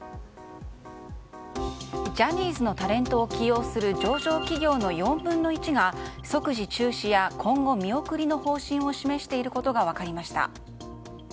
ジャニーズのタレントを起用する上場企業の４分の１が即時中止や今後見送りの方針を示していることが分かりました。